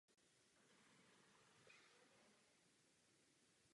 Jaká je situace s ohledem na Evropský průkaz strojvedoucího?